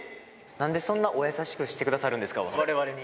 なんでそんなお優しくしてくださるんですか、われわれに。